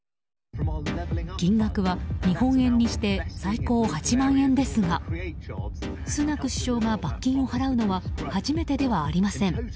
金額は日本円にして最高８万円ですがスナク首相が罰金を払うのは初めてではありません。